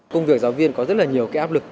công việc giáo viên có rất là nhiều cái áp lực